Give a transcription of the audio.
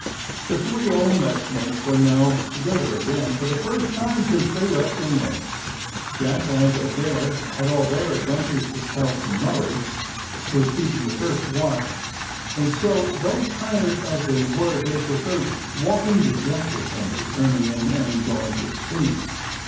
The three old messmates were now together again, for the first time since they left England. Jack and Adair had all their adventures to tell to Murray, who was keeping the first watch, and so, though tired as they were, they preferred walking the deck with him to turning in and going to sleep.